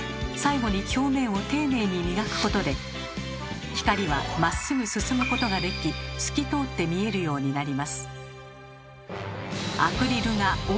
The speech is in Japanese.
最後に表面を丁寧に磨くことで光はまっすぐ進むことができ透き通って見えるようになります。